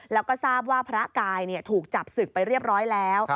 แล้วก็ทราบว่าพระกายถูกจับศึกไปเรียบร้อยแล้ว